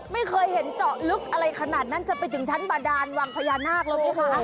ไม่เคยเห็นเจาะลึกอะไรขนาดนั้นจะไปถึงชั้นบาดานวังพญานาคแล้วไหมคะ